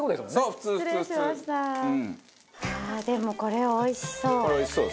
ああでもこれおいしそう。